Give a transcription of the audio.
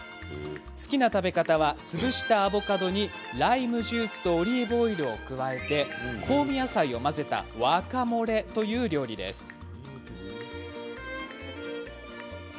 好きな食べ方は潰したアボカドにライムジュースとオリーブオイルを加え香味野菜を混ぜたワカモレという料理です。